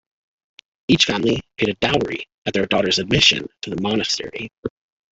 Each family paid a dowry at their daughter's admission to the monastery.